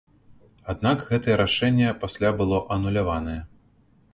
Аднак гэтае рашэнне пасля было ануляванае.